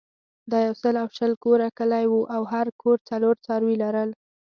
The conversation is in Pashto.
دا یو سل او شل کوره کلی وو او هر کور څلور څاروي لرل.